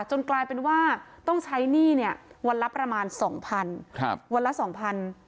กลายเป็นว่าต้องใช้หนี้เนี่ยวันละประมาณสองพันครับวันละสองพัน